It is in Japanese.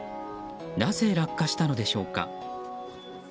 なぜ落下したのでしょうか。